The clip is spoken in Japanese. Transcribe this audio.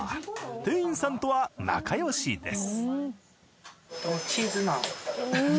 店員さんとは仲よしです。